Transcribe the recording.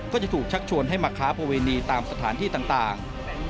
ก็จะถูกชักชวนให้มาค้าประเวณีตามสถานที่ต่าง